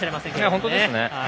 本当ですね。